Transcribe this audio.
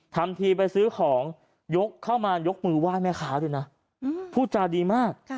ทำทีไปซื้อของยกเข้ามายกมือไหว้แม่ค้าด้วยนะพูดจาดีมาก